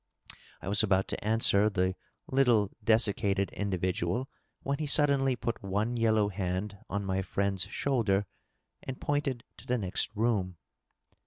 I was about to answer the little desiccated individual, when he suddenly put one yellow hand on my friend's shoulder and pointed to the next room.